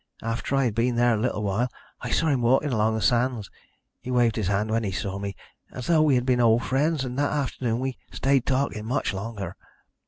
After I had been there a little while I saw him walking along the sands. He waved his hand when he saw me, as though we had been old friends, and that afternoon we stayed talking much longer.